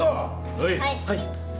はい。